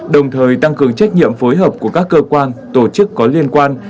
đồng thời tăng cường trách nhiệm phối hợp của các cơ quan tổ chức có liên quan